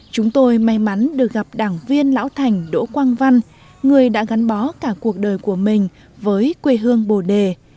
chúng tôi may mắn được gặp đảng viên lão thành đỗ quang văn người đã gắn bó cả cuộc đời của mình với quê hương bồ đề